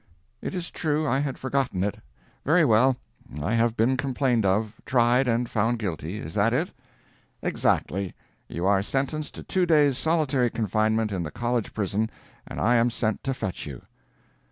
"It is true; I had forgotten it. Very well: I have been complained of, tried, and found guilty is that it?" "Exactly. You are sentenced to two days' solitary confinement in the College prison, and I am sent to fetch you."